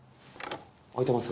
開いてます。